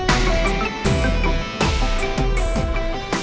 enggak bu gak usah